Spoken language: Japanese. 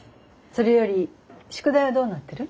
それより宿題はどうなってる？